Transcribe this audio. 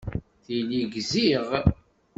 Tili gziɣ.